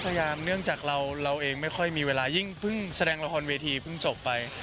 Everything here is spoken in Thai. เนื่องจากเราเองไม่ค่อยมีเวลายิ่งเพิ่งแสดงละครเวทีเพิ่งจบไป